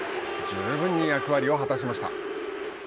十分に役割を果たしました。